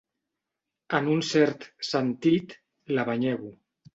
En un cert sentit, la banyego.